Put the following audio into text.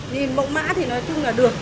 nhìn mẫu mã thì nói chung là được